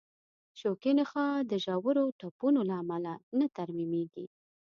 شوکي نخاع د ژورو ټپونو له امله نه ترمیمېږي.